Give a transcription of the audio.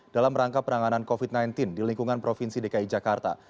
dalam rangka penanganan covid sembilan belas di lingkungan provinsi dki jakarta